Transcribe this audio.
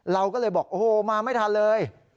เราก็เลยบอกโอ้โหมาไม่ทันเลย